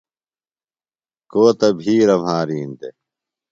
کو تہ بِھیرہ مھارِین دےۡ۔